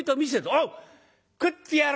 「おう食ってやる！